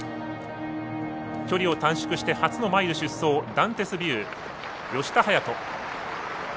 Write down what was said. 距離を短縮して初のマイル出走ダンテスヴュー、吉田隼人。